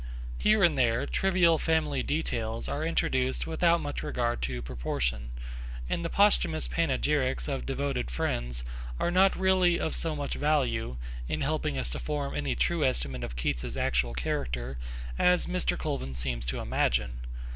Here and there, trivial family details are introduced without much regard to proportion, and the posthumous panegyrics of devoted friends are not really of so much value, in helping us to form any true estimate of Keats's actual character, as Mr. Colvin seems to imagine.